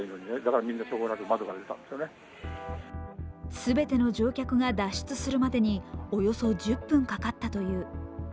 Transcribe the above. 全ての乗客が脱出するまでにおよそ１０分かかったという。